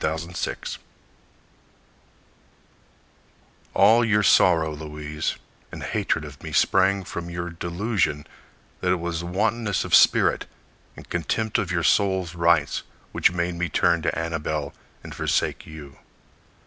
Herbert Marshall All your sorrow, Louise, and hatred of me Sprang from your delusion that it was wantonness Of spirit and contempt of your soul's rights Which made me turn to Annabelle and forsake you.